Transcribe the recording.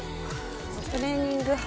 トレーニング箸。